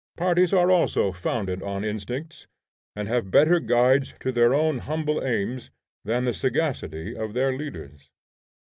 Parties are also founded on instincts, and have better guides to their own humble aims than the sagacity of their leaders.